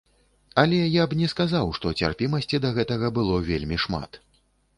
Але я б не сказаў, што цярпімасці да гэтага было вельмі шмат.